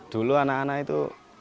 dulu anak anak itu